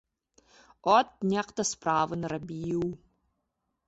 От, нехта справы нарабіў!